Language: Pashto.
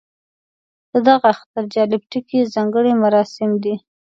د دغه اختر جالب ټکی ځانګړي مراسم دي.